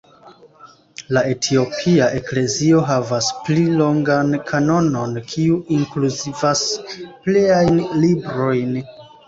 La etiopia eklezio havas pli longan kanonon kiu inkluzivas pliajn librojn.